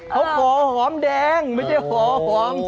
เขาขอหอมแดงไม่ใช่หอม